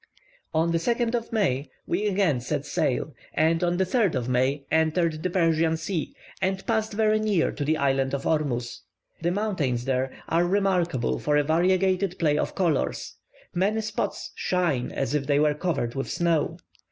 On the 2nd of May we again set sail, and on the 3rd of May entered the Persian Sea, and passed very near to the island of Ormus. The mountains there are remarkable for a variegated play of colours; many spots shine as if they were covered with snow.